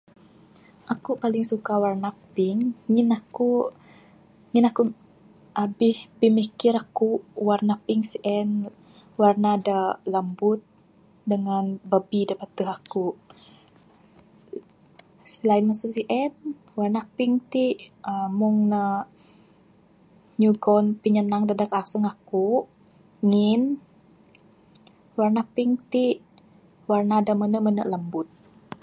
Ekuk paling suka warna pink, ngin eku, ngin eku, abih pimikir eku warna pink sien, warna de lembut dengan bebi de beteh eku. Selain mesu sien warna pink tik, uhh mung ne nyugon pinyenang dadeg aseng kuk, ngin, warna pink tik, warna de menek-menek lembut.